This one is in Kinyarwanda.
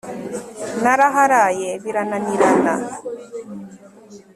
naraharaye birananirana.